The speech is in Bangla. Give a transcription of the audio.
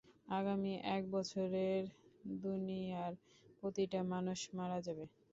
আগামী এক বছরের দুনিয়ার প্রতিটা মানুষ মারা যাবে।